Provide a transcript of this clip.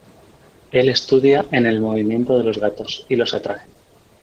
Él estudia en el movimiento de los gatos y los atrae.